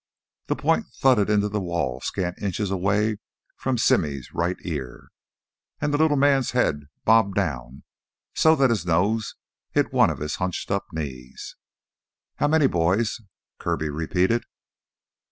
The point thudded into the wall scant inches away from Simmy's right ear, and the little man's head bobbed down so that his nose hit one of his hunched up knees. "How many 'boys'?" Kirby repeated.